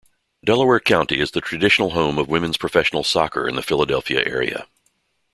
Delaware County is the traditional home of women's professional soccer in the Philadelphia area.